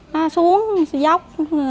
nó xuống dốc